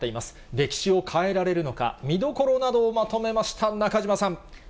歴史を変えられるのか、見どころなどをまとめました、中島さん。